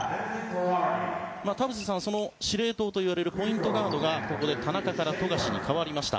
田臥さん、司令塔といわれるポイントガードがここで田中から富樫に代わりました。